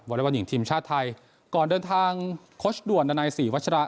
เล็กบอลหญิงทีมชาติไทยก่อนเดินทางโค้ชด่วนดันัยสี่วัชระ